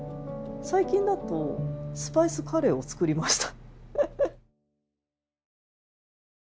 最近だとスパイスカレーを作りました。